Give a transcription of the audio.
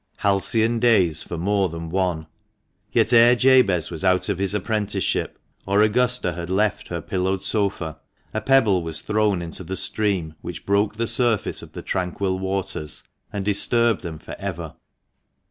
Halcyon days for more than one. Yet, ere Jabez was out of his apprenticeship, or Augusta had left her pillowed sofa, a pebble was thrown into the stream which broke the surface of the tranquil waters, and disturbed them for ever.